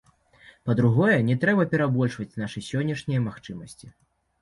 Па-другое, не трэба перабольшваць нашы сённяшняя магчымасці.